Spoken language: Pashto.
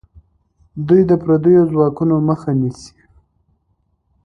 دوی د پردیو ځواکونو مخه نیسي.